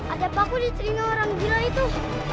ada paku di telinga orang gila itu